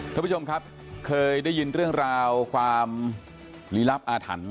ท่านผู้ชมครับเคยได้ยินเรื่องราวความลี้ลับอาถรรพ์